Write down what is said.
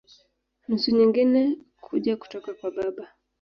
Nusu nyingine kuja kutoka kwa baba.